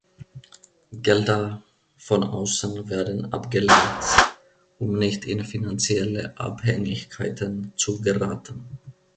Gelder von außen werden abgelehnt, um nicht in finanzielle Abhängigkeiten zu geraten.